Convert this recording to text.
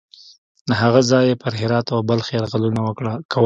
له هغه ځایه یې پر هرات او بلخ یرغلونه کول.